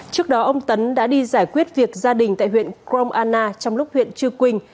trước đó ông tấn đã đi giải quyết việc gia đình tại huyện krong anna trong lúc huyện chư quynh